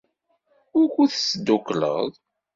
Wukud teddukleḍ?